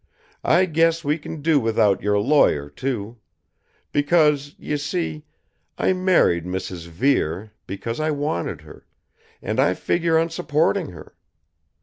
I guess we can do without your lawyer, too. Because, you see, I married Mrs. Vere because I wanted her; and I figure on supporting her.